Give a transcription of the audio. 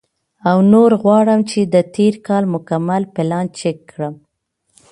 او نور غواړم چې د تېر کال مکمل پلان چیک کړم،